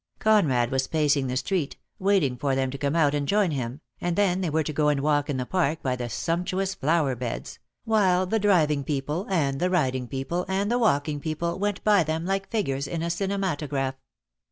Conrad was pacing the street, waiting for them to come out and join him, and then they were to go and walk in the Park by the sumptuous flower beds, while the driving people and the riding people and the walking people went by them like figures in a cinematograph.